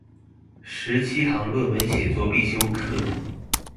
十七堂論文寫作必修課